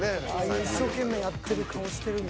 ［一生懸命やってる顔してるんだ］